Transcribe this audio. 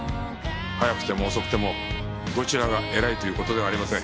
早くても遅くてもどちらが偉いという事ではありません。